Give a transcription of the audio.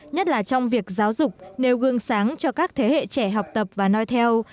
nhất là trong việc giáo dục nêu gương sáng cho các thế hệ trẻ học tập và nói theo